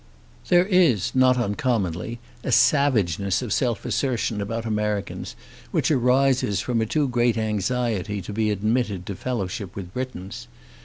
There is not uncommonly a savageness of self assertion about Americans which arises from a too great anxiety to be admitted to fellowship with Britons.